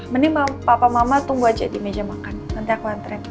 mending papa mama tunggu aja di meja makan nanti aku antren